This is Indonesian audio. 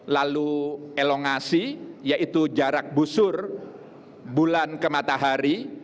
lalu elongasi yaitu jarak busur bulan ke matahari